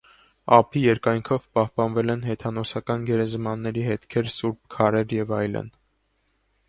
Ափի երկայքնով պահպանվել են հեթանոսական գերեզմանների հետքեր, սուրբ քարեր և այլն։